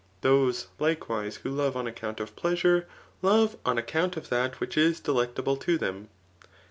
Those, likewise, who love on account of pleasure, love on ac count of that which is delectable to them.